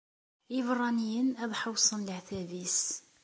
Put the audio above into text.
Iberraniyen ad ḥewṣen leɛtab-is.